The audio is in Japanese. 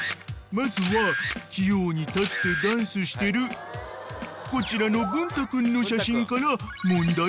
［まずは器用に立ってダンスしてるこちらの文太君の写真から問題］